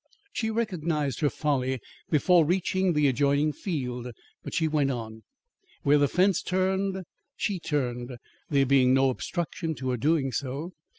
She recognised her folly before reaching the adjoining field. But she went on. Where the fence turned, she turned, there being no obstruction to her doing so.